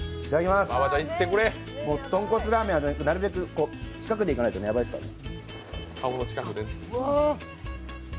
豚骨ラーメンはなるべく近くでいかないとヤバいですからね。